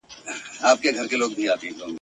په ټولۍ د ګیدړانو کي غښتلی ..